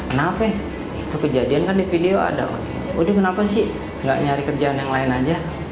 kenapa ya itu kejadian kan di video ada udah kenapa sih nggak nyari kerjaan yang lain aja